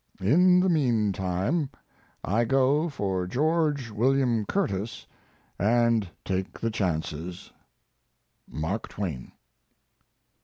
In the mean time I go for George William Curtis and take the chances. MARK TWAIN.